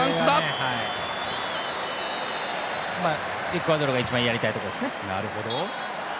エクアドルが一番やりたいことですね。